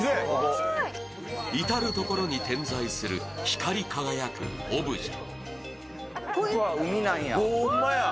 至る所に点在する光り輝くオブジェ。